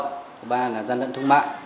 thứ ba là gian lận thương mại